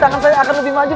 mungkin saya terlalu ganteng